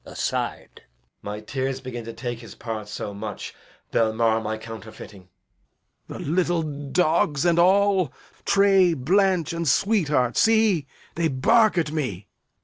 Edg. [aside] My tears begin to take his part so much They'll mar my counterfeiting. Lear. The little dogs and all, Tray, Blanch, and Sweetheart, see, they bark at me. Edg.